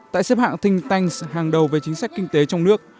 tại xếp hạng thing tanks hàng đầu về chính sách kinh tế trong nước